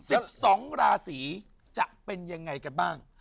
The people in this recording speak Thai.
สิบสองราศีจะเป็นยังไงกันบ้าง